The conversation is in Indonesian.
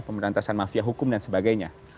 pemberantasan mafia hukum dan sebagainya